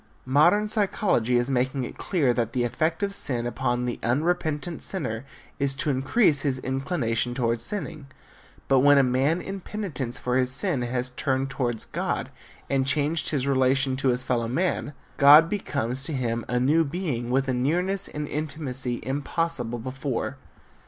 Modern psychology is making it clear that the effect of sin upon the unrepentant sinner is to increase his inclination toward sinning. But when a man in penitence for his sin has turned toward God and changed his relation to his fellow men, God becomes to him a new Being with a nearness and intimacy impossible before!